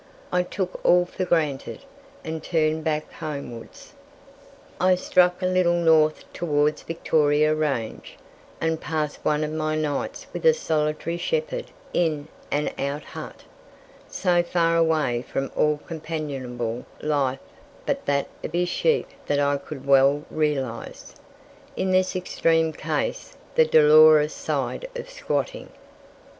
I took all for granted, and turned back homewards. I struck a little north towards Victoria Range, and passed one of my nights with a solitary shepherd in an out hut, so far and away from all companionable life but that of his sheep that I could well realize, in this extreme case, the dolorous side of squatting.